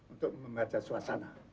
untuk membaca suasana